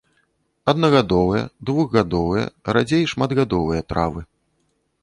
Аднагадовыя, двухгадовыя, радзей шматгадовыя травы.